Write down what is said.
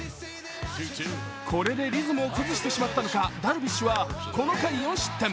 これでリズムを崩してしまったのかダルビッシュはこの回、４失点。